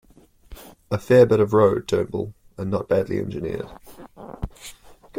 A fair bit of road, Turnbull, and not badly engineered.